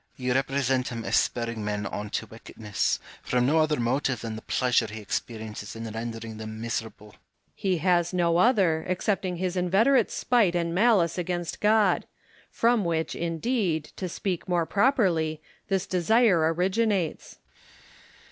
Hume. You represent him as spurring men on to DA VID HUME AND JOHN HOME. 235 wickedness, from no other motive than the pleasure he experiences in rendering them miserable. Home. He has no other, excepting his inveterate spite and malice against God ; from which, indeed, to speak more properly, this desire originates.